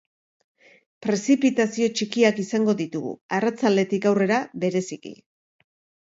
Prezipitazio txikiak izango ditugu, arratsaldetik aurrera bereziki.